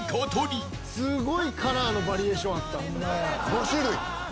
５種類。